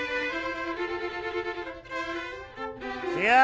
違う！